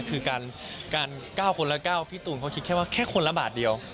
คือการ๙คนละ๙พี่ตูนเขาคิดแค่ว่าแค่คนละบาทเดียว